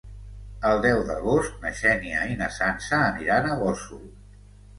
El deu d'agost na Xènia i na Sança aniran a Gósol.